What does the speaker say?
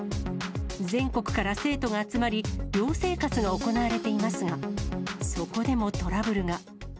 全国から生徒が集まり、寮生活が行われていますが、そこでもトラブルが。